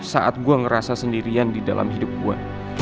saat gua ngerasa sendirian di dalam hidup gua